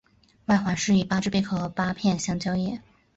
外环饰以八只贝壳和八片香蕉叶。